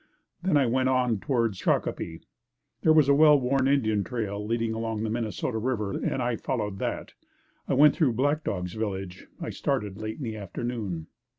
Then I went on towards Shakopee. There was a wellworn Indian trail leading along the Minnesota River and I followed that. I went through Black Dog's village. I started late in the afternoon.